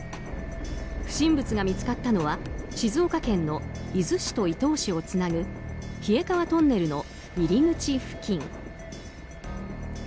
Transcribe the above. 不審物が見つかったのは静岡県の伊豆市と伊東市をつなぐ冷川トンネルの入り口付近。